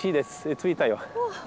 着いたよ。